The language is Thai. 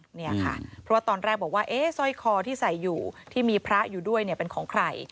เพราะว่าตอนแรกบอกว่าสร้อยคอที่ใส่อยู่ที่มีพระอยู่ด้วยเนี่ยเป็นของใคร